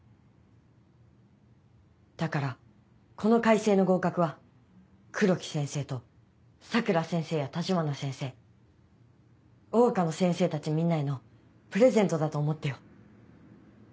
だからこの開成の合格は黒木先生と佐倉先生や橘先生桜花の先生たちみんなへのプレゼントだと思ってよ。